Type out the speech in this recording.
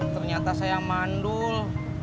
ternyata saya mandul